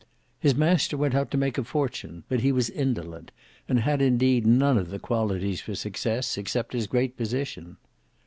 His master went out to make a fortune; but he was indolent, and had indeed none of the qualities for success, except his great position.